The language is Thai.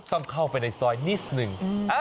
ต้องเข้าไปในซอยนิดหนึ่ง